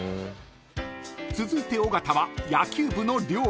［続いて尾形は野球部の寮へ］